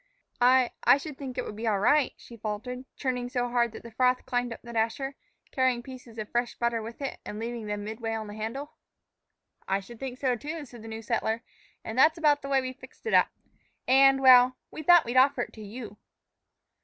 "I I should think it would be all right," she faltered, churning so hard that the froth climbed up the dasher, carrying pieces of fresh butter with it and leaving them midway on the handle. "I should think so, too," said the new settler; "and that's about the way we fixed it up. And well, we thought we'd offer it to you."